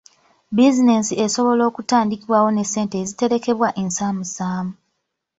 Bizinensi esoboka okutandikibwawo n'essente eziterekebwa ensaamusaamu.